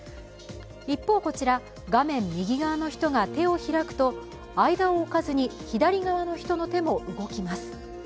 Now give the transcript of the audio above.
一方、こちら、画面右側の人が手を開くと、間をおかずに左側の人の手も動きます。